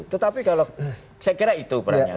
tetapi kalau saya kira itu perannya